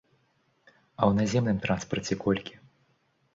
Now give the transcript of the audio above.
А ў наземным транспарце колькі?